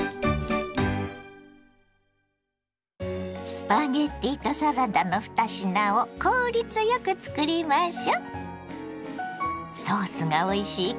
スパゲッティとサラダの２品を効率よくつくりましょ。